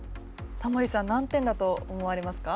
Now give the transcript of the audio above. タモリさん何点だと思われますか？